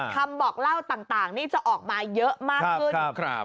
คำบอกเล่าต่างนี่จะออกมาเยอะมากขึ้น